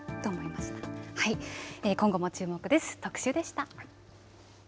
今後も注目です、特集でした。